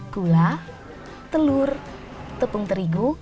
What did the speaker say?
gula telur tepung terigu